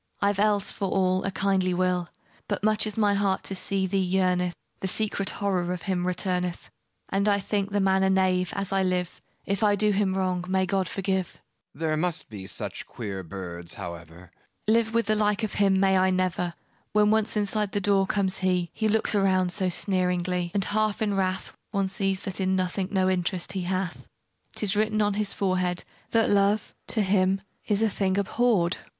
I've else, for all, a kindly will, But, much as my heart to see thee yearneth, The secret horror of him returneth; And I think the man a knave, as I live! If I do him wrong, may God forgive! FAUST There must be such queer birds, however. MARGARET Live with the like of him, may I never! When once inside the door comes he, He looks around so sneeringly, And half in wrath: One sees that in nothing no interest he hath: 'Tis written on his very forehead That love, to him, is a thing abhorréd.